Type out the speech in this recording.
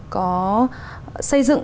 có xây dựng